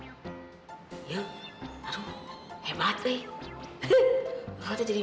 celebration buwan lama dahulu